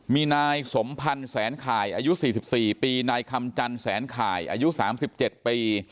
มีนายสมพันธ์แสนข่ายอายุ๔๔ปีนายคำจันแสนข่ายอายุ๓๗ปี